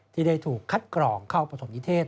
ที่ได้ถูกคัดกรองเข้าปฐมนิเทศ